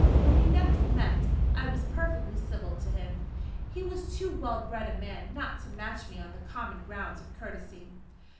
When we next met I was perfectly civil to him. He was too well bred a man not to match me on the common ground of courtesy.